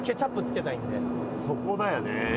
そこだよね。